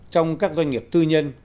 trong các doanh nghiệp tư nhân